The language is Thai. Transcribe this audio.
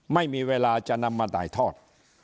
ไม่มีเวลาจะนำมาถ่ายทอด